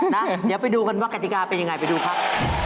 นะเดี๋ยวไปดูกันว่ากติกาเป็นยังไงไปดูครับ